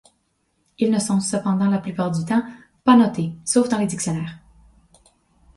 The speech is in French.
Ils ne sont cependant la plupart du temps, pas notés sauf dans les dictionnaires.